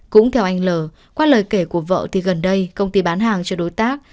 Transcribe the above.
cũng theo anh l qua lời kể của vợ thì gần đây công ty bán hàng cho đối tác